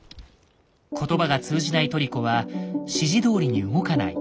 言葉が通じないトリコは指示どおりに動かない。